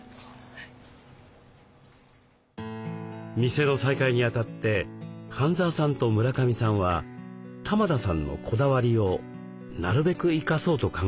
店の再開にあたって半澤さんと村上さんは玉田さんのこだわりをなるべく生かそうと考えました。